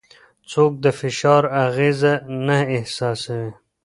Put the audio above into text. څوک د فشار اغېزه نه احساسوي؟